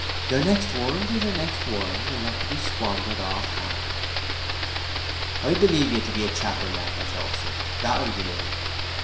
Your next world is your next world, and not to be squandered offhand." "I believe ye to be a chapelmember, Joseph. That I do."